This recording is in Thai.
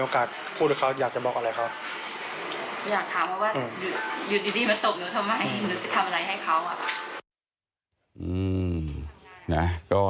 อยากถามว่าอยู่ดีมาตบหนูทำไมหนูจะทำอะไรให้เขา